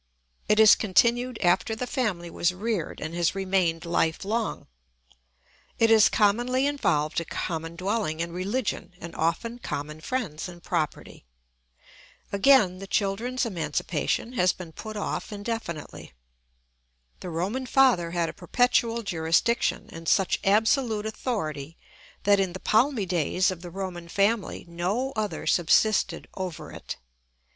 It has continued after the family was reared and has remained life long; it has commonly involved a common dwelling and religion and often common friends and property. Again, the children's emancipation has been put off indefinitely. The Roman father had a perpetual jurisdiction and such absolute authority that, in the palmy days of the Roman family, no other subsisted over it.